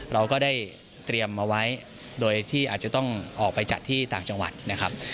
เราก็ได้เตรียมมาไว้โดยที่อาจจะต้องออกไปจัดที่ต่างจังหวัดนะครับ